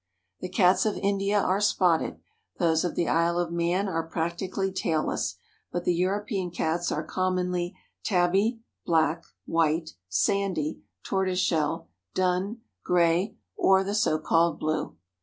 The Cats of India are spotted, those of the Isle of Man are practically tail less, but the European Cats are commonly "tabby," black, white, sandy, tortoise shell, dun, gray or the so called blue.